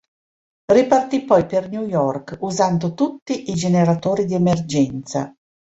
Ripartì poi per New York usando tutti i generatori di emergenza.